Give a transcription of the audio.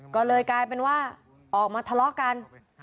ก็เลยกลายเป็นว่าออกมาทะเลาะกัน